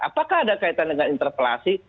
apakah ada kaitan dengan interpelasi